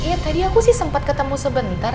iya tadi aku sih sempat ketemu sebentar